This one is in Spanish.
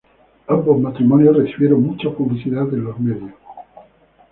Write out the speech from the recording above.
Ambos matrimonios recibieron mucha publicidad en los medios.